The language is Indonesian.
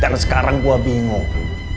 dan sekarang gua bingung